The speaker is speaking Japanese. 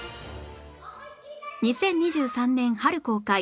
２０２３年春公開